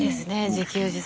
自給自足。